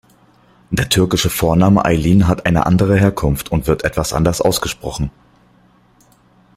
Der türkische Vorname Aylin hat eine andere Herkunft und wird etwas anders ausgesprochen.